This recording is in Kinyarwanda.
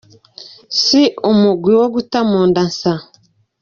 Si umugwi wo guta mu nda nsa.